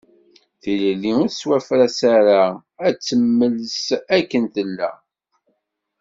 Tilelli ur tettwafras ara, ad temmels akken tella.